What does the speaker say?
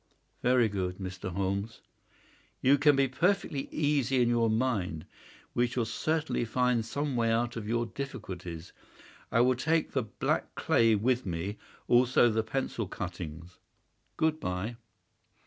"Very good, Mr. Holmes." "You can be perfectly easy in your mind. We shall certainly find some way out of your difficulties. I will take the black clay with me, also the pencil cuttings. Good bye."